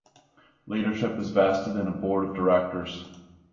Leadership is vested in a board of directors.